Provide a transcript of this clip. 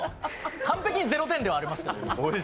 完璧に０点ではありますけど。